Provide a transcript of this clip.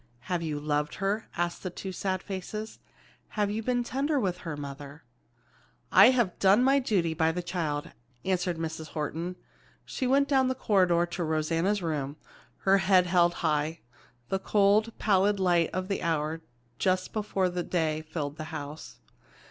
"Have you loved her?" asked the two sad faces. "Have you been tender with her, mother?" "I have done my duty by the child," answered Mrs. Horton. She went down the corridor to Rosanna's room, her head held high. The cold, pallid light of the hour just before day filled the house.